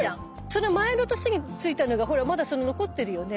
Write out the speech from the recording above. その前の年についたのがほらまだ残ってるよね